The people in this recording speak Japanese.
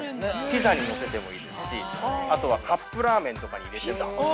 ◆ピザにのせてもいいですし、あとはカップラーメンとかに入れても。